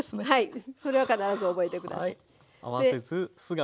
はい。